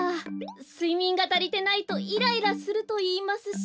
すいみんがたりてないとイライラするといいますし。